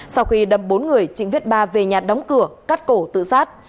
sau khi đâm bốn người trịnh viết ba về nhà đóng cửa cắt cổ tự sát